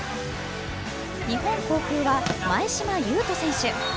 日本航空は前嶋悠仁選手。